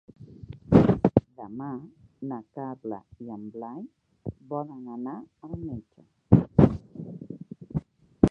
Demà na Carla i en Blai volen anar al metge.